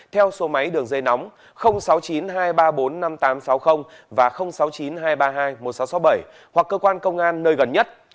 theo số máy đường dây nóng sáu mươi chín hai trăm ba mươi bốn năm nghìn tám trăm sáu mươi và sáu mươi chín hai trăm ba mươi hai một nghìn sáu trăm sáu mươi bảy hoặc cơ quan công an nơi gần nhất